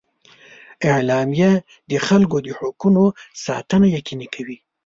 اعلامیه د خلکو د حقونو ساتنه یقیني کوي.